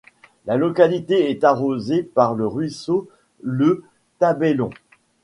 La localité est arrosée par le ruisseau Le Tabeillon.